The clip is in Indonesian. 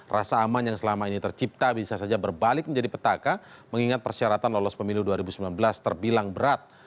rasa aman yang selama ini tercipta bisa saja berbalik menjadi petaka mengingat persyaratan lolos pemilu dua ribu sembilan belas terbilang berat